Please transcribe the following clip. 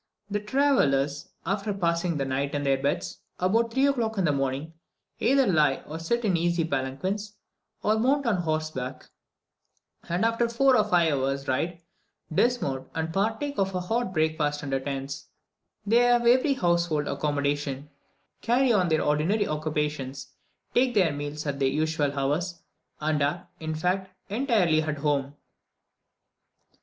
The travellers, after passing the night in their beds, about 3 o'clock in the morning either lie or sit in easy palanquins, or mount on horseback, and after four or five hours' ride, dismount, and partake of a hot breakfast under tents. They have every household accommodation, carry on their ordinary occupations, take their meals at their usual hours, and are, in fact, entirely at home.